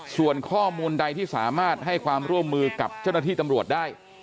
ส่วนข้อมูลใดที่สามารถให้ความร่วมมือกับเจ้าหน้าที่ตำรวจได้